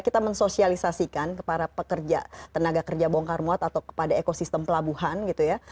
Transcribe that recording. kita mensosialisasikan kepada pekerja tenaga kerja bongkar muat atau kepada ekosistem pelabuhan gitu ya